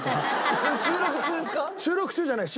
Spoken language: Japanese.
それ収録中ですか？